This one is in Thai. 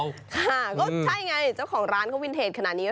ค่ะก็ใช่ไงเจ้าของร้านเขาวินเทจขนาดนี้